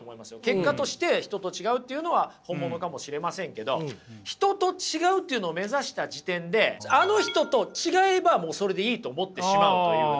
結果として人と違うっていうのは本物かもしれませんけど人と違うっていうのを目指した時点であの人と違えばもうそれでいいと思ってしまうというね。